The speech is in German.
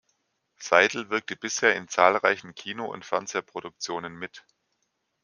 Seidel wirkte bisher in zahlreichen Kino- und Fernsehproduktionen mit.